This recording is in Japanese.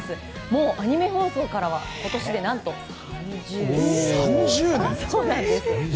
もうアニメ放送からは今年で何と３０年だそうです。